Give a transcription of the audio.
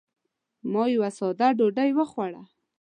ما یوه ساده ډوډۍ وخوړه.